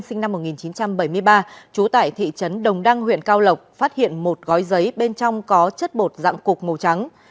sinh năm một nghìn chín trăm bảy mươi ba trú tại thị trấn đồng đăng huyện cao lộc phát hiện một gói giấy bên trong có chất bột dạng cục màu trắng